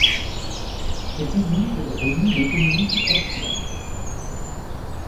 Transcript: Cet édit réduit l'autonomie du consulat.